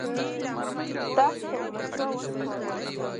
تخت پر یوه چا وسپاره.